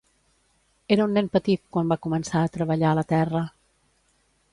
Era un nen petit quan va començar a treballar la terra.